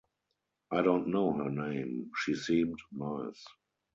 I don’t know her name. She seemed nice.